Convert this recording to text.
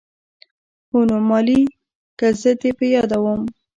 هو نو مالې که زه دې په ياده وم.